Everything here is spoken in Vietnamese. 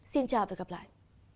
xin chào và gặp lại